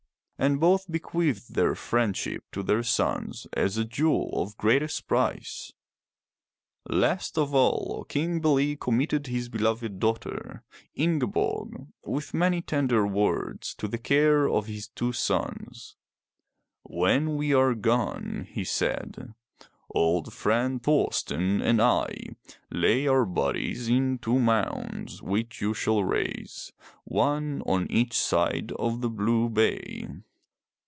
And both be queathed their friendship to their sons as a jewel of greatest price. Last of all, King Bele committed his beloved daughter, 340 FROM THE TOWER WINDOW Ingeborg, with many tender words, to the care of his two sons. "When we are gone/' he said, old friend Thorsten and I, lay our bodies in two mounds, which you shall raise, one on each side of the blue bay.